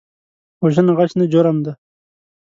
وژنه غچ نه، جرم دی